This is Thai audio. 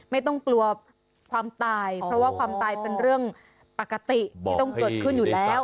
ไม่ต้องกลัวความตายเพราะว่าความตายเป็นเรื่องปกติที่ต้องเกิดขึ้นอยู่แล้ว